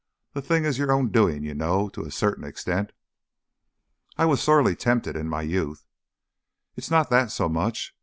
The thing is your own doing, you know, to a certain extent." "I was sorely tempted in my youth." "It's not that so much.